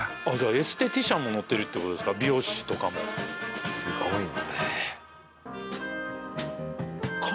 エステティシャンも乗ってるってことですか美容師とかもすごいねえっ